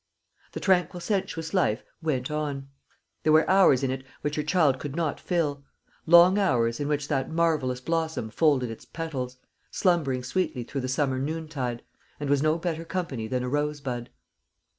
The tranquil sensuous life went on. There were hours in it which her child could not fill long hours, in which that marvellous blossom folded its petals, slumbering sweetly through the summer noontide, and was no better company than a rose bud.